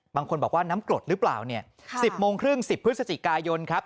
บางคนบอกว่าน้ำกรดหรือเปล่าเนี่ย๑๐โมงครึ่ง๑๐พฤศจิกายนครับ